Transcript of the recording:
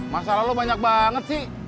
masalah lo banyak banget sih